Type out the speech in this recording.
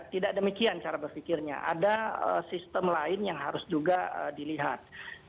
tidak demikian cara berpikirnya ada sistem lain yang harus juga dilihat